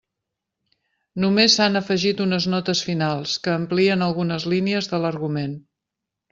Només s'han afegit unes notes finals, que amplien algunes línies de l'argument.